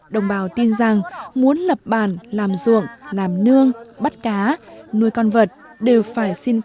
đồng bào tin rằng muốn lập bàn làm ruộng làm nương bắt cá nuôi con vật đều phải xin phép thần thổ địa